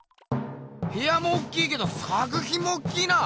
へやもおっきいけど作ひんもおっきいな。